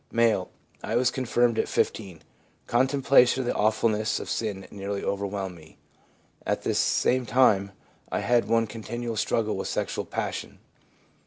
M. i I was confirmed at 15 ; contemplation of the awfulness of sin nearly overwhelmed me. At this same time I had one continual struggle with sexual passion.'